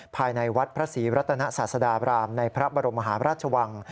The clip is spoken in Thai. ภายในวัดพระศรีรัตนศาสดาบรามในพระบรมมหาพระราชวัง